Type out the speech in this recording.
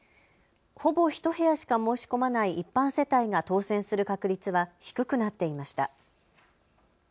ほぼ１部屋しか申し込まない一般世帯が当せんする確率は低くなっていました。